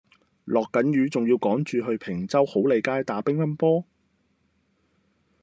落緊雨仲要趕住去坪洲好利街打乒乓波